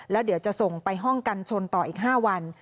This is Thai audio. แล้วเดี๋ยวจะส่งไปห้องกันชนต่ออีก๕วัน